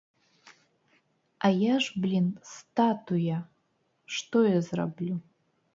А я ж, блін, статуя, што я зраблю?